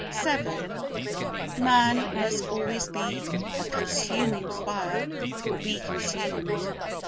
vii Man must always be a consuming fire or be consumed.